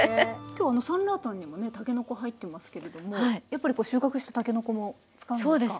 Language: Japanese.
今日サンラータンにもねたけのこ入ってますけれどもやっぱり収穫したたけのこも使うんですか？